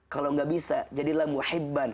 kalau tidak bisa jadilah muhibban